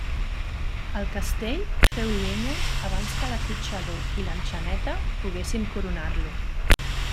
El castell féu llenya abans que l'acotxador i l'enxaneta poguessin coronar-lo.